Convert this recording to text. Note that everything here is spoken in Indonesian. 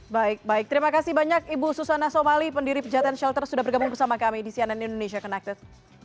baik baik terima kasih banyak ibu susana somali pendiri pejaten shelter sudah bergabung bersama kami di cnn indonesia connected